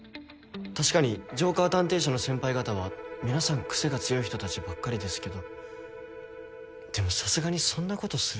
確かにジョーカー探偵社の先輩方は皆さんクセが強い人たちばっかりですけどでもさすがにそんなことするとは。